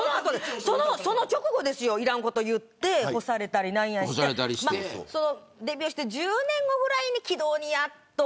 その直後ですよ、いらんこと言って干されたりなんやしてデビューして１０年後ぐらいに軌道にやっと。